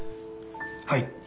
はい。